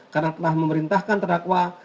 karena telah memerintahkan terdakwa